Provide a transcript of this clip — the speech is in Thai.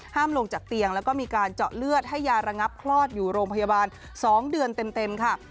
ลงจากเตียงแล้วก็มีการเจาะเลือดให้ยาระงับคลอดอยู่โรงพยาบาล๒เดือนเต็มค่ะ